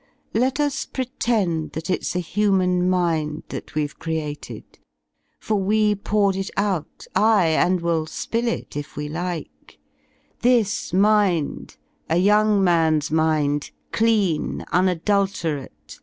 Let m pretend that ifs a human mind That we^ve created, for we poured it out. Ay el and will spill it if we like — this mind, A young man^s mind, clean, unadulterate.